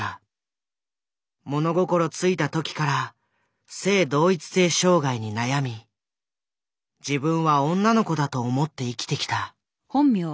物心付いた時から性同一性障害に悩み自分は女の子だと思って生きてきた。